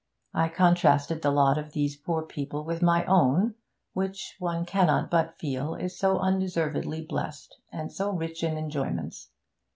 I contrasted the lot of these poor people with my own, which, one cannot but feel, is so undeservedly blest and so rich in enjoyments.